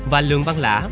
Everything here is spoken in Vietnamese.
và lường văn lã